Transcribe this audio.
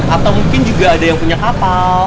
atau mungkin juga ada yang punya kapal